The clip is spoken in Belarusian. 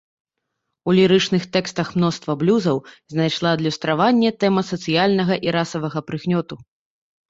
У лірычных тэкстах мноства блюзаў знайшла адлюстраванне тэма сацыяльнага і расавага прыгнёту.